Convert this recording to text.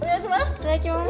いただきます。